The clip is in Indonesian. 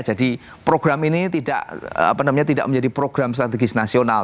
jadi program ini tidak apa namanya tidak menjadi program strategis nasional